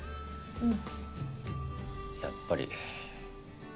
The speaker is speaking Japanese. うん。